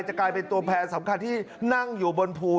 กลายเป็นตัวแพรสำคัญที่นั่งอยู่บนภู